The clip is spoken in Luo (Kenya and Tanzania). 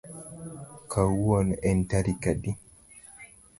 Kawuono en tarik adi